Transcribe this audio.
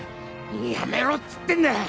やめろつってんだ。